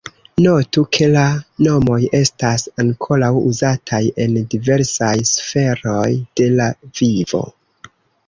Notu ke la nomoj estas ankoraŭ uzataj en diversaj sferoj de la vivo.